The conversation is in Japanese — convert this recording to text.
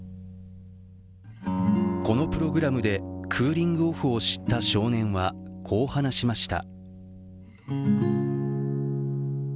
このプログラムでクーリングオフを知った少年はこう話しました。